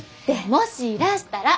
もしいらしたら！